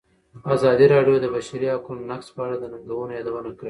ازادي راډیو د د بشري حقونو نقض په اړه د ننګونو یادونه کړې.